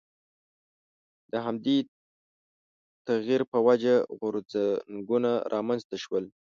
د همدې تغییر په وجه غورځنګونه رامنځته شول.